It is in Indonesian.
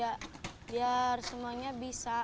agar semuanya bisa